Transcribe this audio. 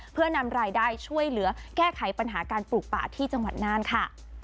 เพื่อนำรายได้ช่วยเหลือแก้ไขปัญหาการปลูกป่าที่จังหวัดน่านค่ะ